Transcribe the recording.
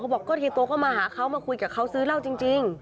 บอกก็เฮียโตก็มาหาเขามาคุยกับเขาซื้อเหล้าจริง